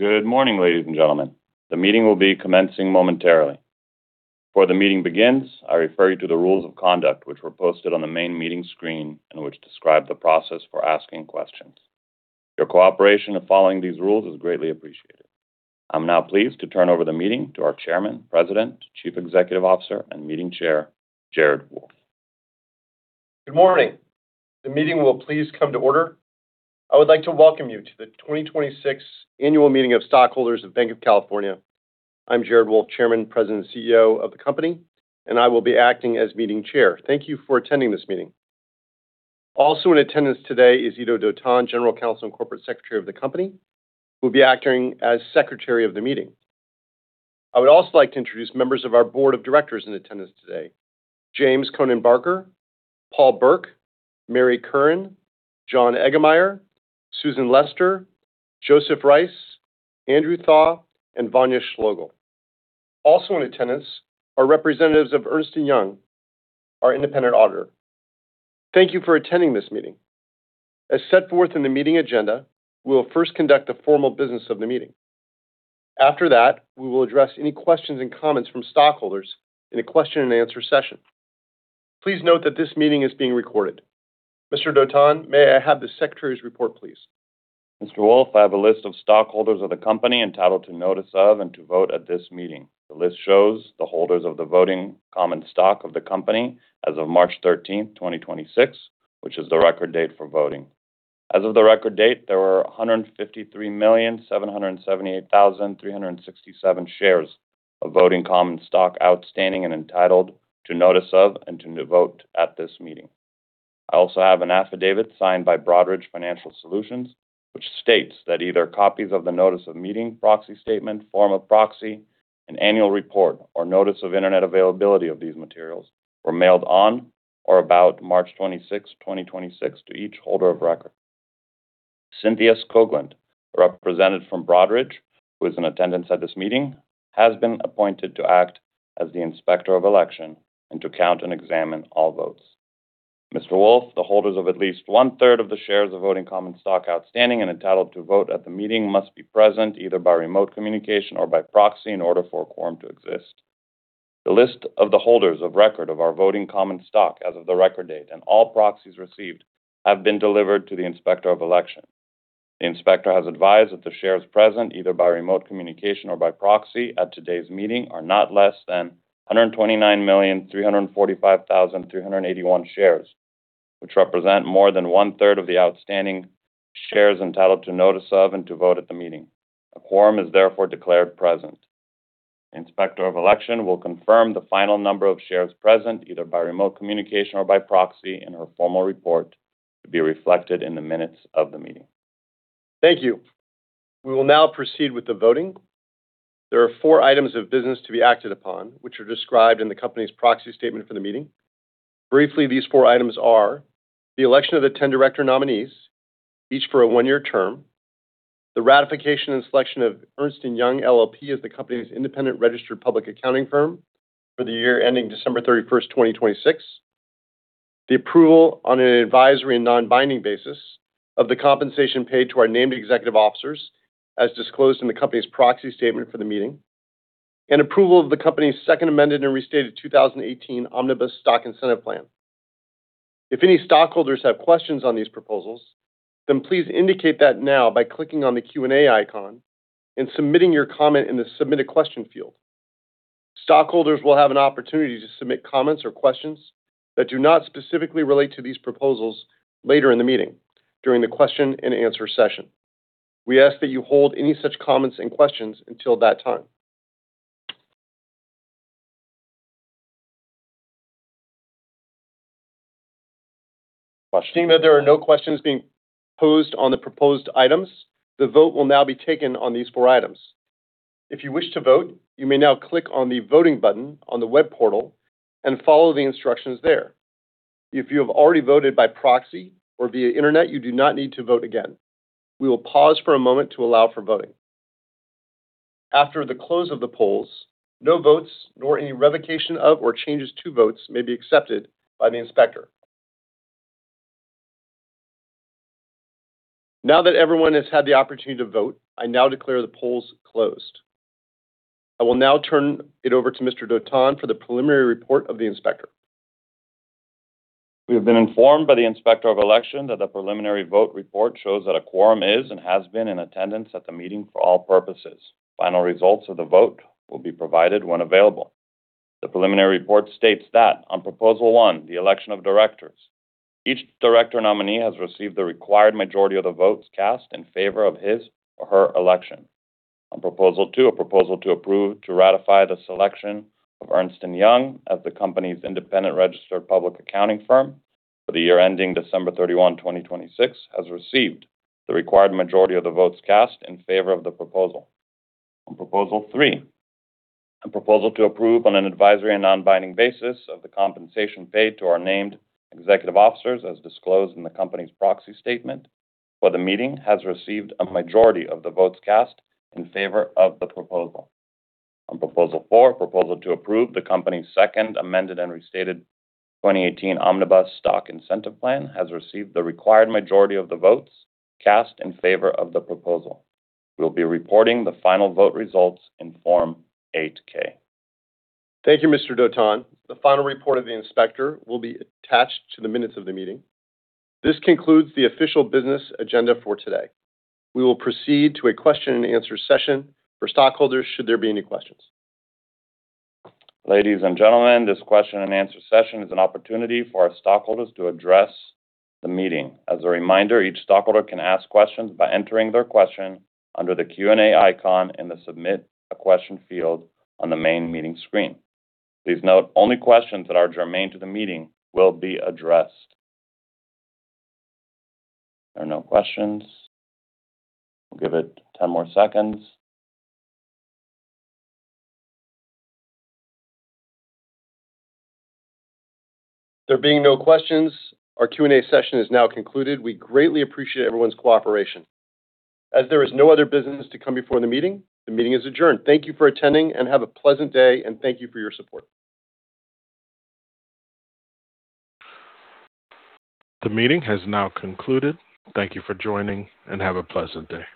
Good morning, ladies and gentlemen. The meeting will be commencing momentarily. Before the meeting begins, I refer you to the rules of conduct, which were posted on the main meeting screen and which describe the process for asking questions. Your cooperation of following these rules is greatly appreciated. I'm now pleased to turn over the meeting to our Chairman, President, Chief Executive Officer, and Meeting Chair, Jared. Good morning. The meeting will please come to order. I would like to welcome you to the 2026 annual meeting of stockholders of Banc of California. I'm Jared Wolff, Chairman, President, and CEO of the company, and I will be acting as meeting chair. Thank you for attending this meeting. Also in attendance today is Ido Dotan, General Counsel and Corporate Secretary of the company, who will be acting as secretary of the meeting. I would also like to introduce members of our board of directors in attendance today. James "Conan" Barker, Paul Burke, Mary Curran, John Eggemeyer, Susan Lester, Joseph Rice, Andrew Thau, and Vania Schlogel. Also in attendance are representatives of Ernst & Young LLP, our independent registered public accounting firm. Thank you for attending this meeting. As set forth in the meeting agenda, we will first conduct the formal business of the meeting. After that, we will address any questions and comments from stockholders in a question-and-answer session. Please note that this meeting is being recorded. Mr. Dotan, may I have the secretary's report, please? Mr. Wolff, I have a list of stockholders of the company entitled to notice of and to vote at this meeting. The list shows the holders of the voting common stock of the company as of March 13th, 2026, which is the record date for voting. As of the record date, there were 153,778,367 shares of voting common stock outstanding and entitled to notice of and to vote at this meeting. I also have an affidavit signed by Broadridge Financial Solutions, which states that either copies of the notice of meeting, proxy statement, form of proxy, an annual report, or notice of internet availability of these materials were mailed on or about March 26th, 2026 to each holder of record. Cynthia Skoglund, represented from Broadridge, who is in attendance at this meeting, has been appointed to act as the inspector of election and to count and examine all votes. Mr. Wolff, the holders of at least one-third of the shares of voting common stock outstanding and entitled to vote at the meeting must be present either by remote communication or by proxy in order for a quorum to exist. The list of the holders of record of our voting common stock as of the record date and all proxies received have been delivered to the inspector of election. The inspector has advised that the shares present, either by remote communication or by proxy at today's meeting, are not less than 129,345,381 shares, which represent more than one-third of the outstanding shares entitled to notice of and to vote at the meeting. A quorum is therefore declared present. The inspector of election will confirm the final number of shares present, either by remote communication or by proxy, in her formal report to be reflected in the minutes of the meeting. Thank you. We will now proceed with the voting. There are four items of business to be acted upon, which are described in the company's proxy statement for the meeting. Briefly, these four items are, the election of the 10 director nominees, each for a one-year term, the ratification and selection of Ernst & Young LLP as the company's independent registered public accounting firm for the year ending December 31st, 2026, the approval on an advisory and non-binding basis of the compensation paid to our named executive officers, as disclosed in the company's proxy statement for the meeting, and approval of the company's Second Amended and Restated 2018 Omnibus Stock Incentive Plan. If any stockholders have questions on these proposals, please indicate that now by clicking on the Q&A icon and submitting your comment in the Submit a Question field. Stockholders will have an opportunity to submit comments or questions that do not specifically relate to these proposals later in the meeting during the question-and-answer-session. We ask that you hold any such comments and questions until that time. Seeing that there are no questions being posed on the proposed items, the vote will now be taken on these four items. If you wish to vote, you may now click on the voting button on the web portal and follow the instructions there. If you have already voted by proxy or via internet, you do not need to vote again. We will pause for a moment to allow for voting. After the close of the polls, no votes nor any revocation of or changes to votes may be accepted by the inspector. Now that everyone has had the opportunity to vote, I now declare the polls closed. I will now turn it over to Mr. Dotan for the preliminary report of the inspector. We have been informed by the inspector of election that the preliminary vote report shows that a quorum is and has been in attendance at the meeting for all purposes. Final results of the vote will be provided when available. The preliminary report states that on proposal 1, the election of directors, each director nominee has received the required majority of the votes cast in favor of his or her election. On proposal 2, a proposal to approve to ratify the selection of Ernst & Young as the company's independent registered public accounting firm for the year ending December 31, 2026, has received the required majority of the votes cast in favor of the proposal. On proposal 3, a proposal to approve on an advisory and non-binding basis of the compensation paid to our named executive officers, as disclosed in the company's proxy statement, for the meeting, has received a majority of the votes cast in favor of the proposal. On proposal 4, a proposal to approve the company's Second Amended and Restated 2018 Omnibus Stock Incentive Plan, has received the required majority of the votes cast in favor of the proposal. We'll be reporting the final vote results in Form 8-K. Thank you, Mr. Dotan. The final report of the inspector will be attached to the minutes of the meeting. This concludes the official business agenda for today. We will proceed to a question-and-answer session for stockholders, should there be any questions. Ladies and gentlemen, this question and-answer session is an opportunity for our stockholders to address the meeting. As a reminder, each stockholder can ask questions by entering their question under the Q&A icon in the Submit a Question field on the main meeting screen. Please note only questions that are germane to the meeting will be addressed. There are no questions. We'll give it 10 more seconds. There being no questions, our Q&A session is now concluded. We greatly appreciate everyone's cooperation. As there is no other business to come before the meeting, the meeting is adjourned. Thank you for attending and have a pleasant day, and thank you for your support. The meeting has now concluded. Thank you for joining, and have a pleasant day.